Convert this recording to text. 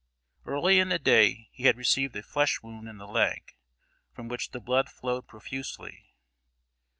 Early in the day he had received a flesh wound in the leg, from which the blood flowed profusely.